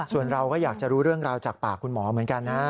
ส่วนเราก็อยากจะรู้เรื่องราวจากปากคุณหมอเหมือนกันนะ